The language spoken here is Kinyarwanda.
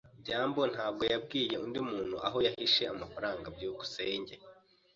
byambo ntabwo yabwiye undi muntu aho yahishe amafaranga. byukusenge